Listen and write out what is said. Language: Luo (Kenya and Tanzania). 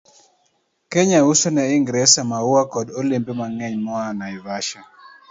Kenya uso ne Ingresa maua koda olembe mang'eny moa Naivasha,